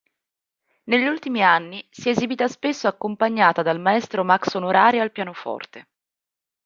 Negli ultimi anni si è esibita spesso accompagnata dal Maestro Max Onorari al pianoforte.